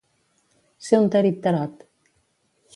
Ser un tarit-tarot.